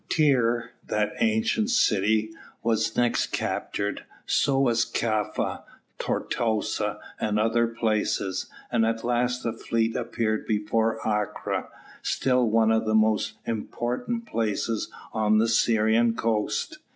Tyre, that ancient city, was next captured; so was Caiffa, Tortosa, and other places; and at last the fleet appeared before Acre, still one of the most important places on the Syrian coast.